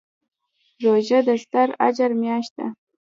روژه د ستر اجر میاشت ده.